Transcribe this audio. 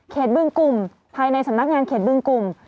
เขตเบื้องกุ่มภายในสำนักงานเขตเบื้องกุ่ม